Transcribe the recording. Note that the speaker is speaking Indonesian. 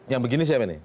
yang begini siapa ini